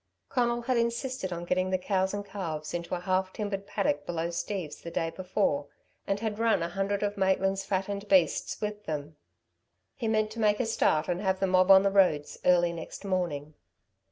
Conal had insisted on getting the cows and calves into a half timbered paddock below Steve's, the day before, and had run a hundred of Maitland's fattened beasts with them. He meant to make a start and have the mob on the roads early next morning.